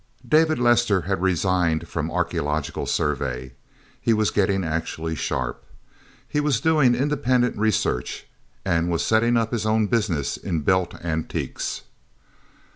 David Lester had resigned from Archeological Survey. He was getting actually sharp. He was doing independent research, and was setting up his own business in Belt antiques.